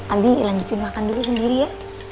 ali lanjutin makan dulu sendiri ya